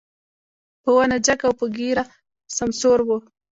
په ونه جګ او په ږيره سمسور و.